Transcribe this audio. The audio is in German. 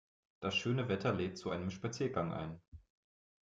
Das schöne Wetter lädt zu einem Spaziergang ein.